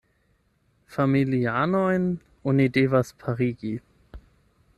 Familianojn oni devas parigi.